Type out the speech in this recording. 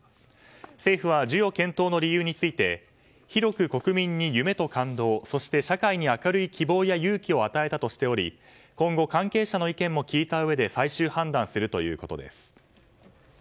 政府は授与検討の理由について広く国民に夢と感動そして、社会に明るい希望や勇気を与えたとしており今後関係者の意見も聞いたうえで最終判断するということです。